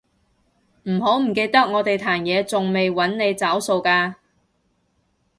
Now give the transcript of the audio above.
唔好唔記得我哋壇野仲未搵你找數㗎